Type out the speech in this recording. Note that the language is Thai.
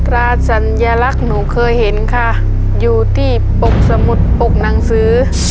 ราสัญลักษณ์หนูเคยเห็นค่ะอยู่ที่ปกสมุดปกหนังสือ